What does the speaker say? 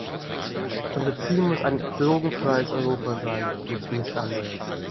Unser Ziel muss ein drogenfreies Europa sein und nichts anderes!